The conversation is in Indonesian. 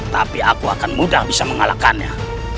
tapi aku akan mudah bisa mengalahkannya